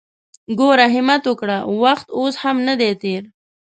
ګوره همت وکړه! وخت اوس هم ندی تېر!